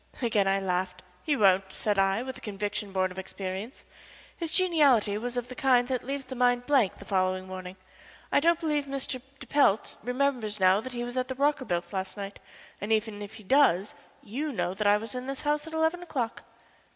Again I laughed. "He won't," said I, with a conviction born of experience. "His geniality was of the kind that leaves the mind a blank the following morning. I don't believe Mr. de Pelt remembers now that he was at the Rockerbilts' last night, and even if he does, you know that I was in this house at eleven o'clock."